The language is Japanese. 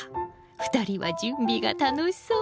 ２人は準備が楽しそう。